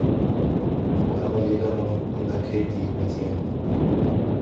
وَأُمْلِي لَهُمْ إِنَّ كَيْدِي مَتِينٌ